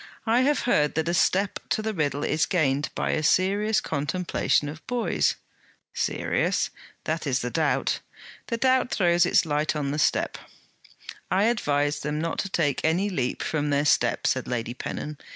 'I have heard that a step to the riddle is gained by a serious contemplation of boys.' 'Serious?' 'That is the doubt.' 'The doubt throws its light on the step!' 'I advise them not to take any leap from their step,' said Lady Pennon.